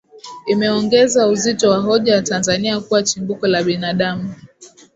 Imeongeza uzito wa hoja ya Tanzania kuwa chimbuko la binadamu